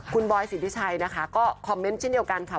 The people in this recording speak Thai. คุณบอยสิทธิชัยนะคะก็คอมเมนต์เช่นเดียวกันค่ะ